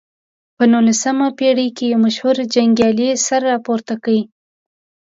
په نولسمه پېړۍ کې یو مشهور جنګیالي سر راپورته کړ.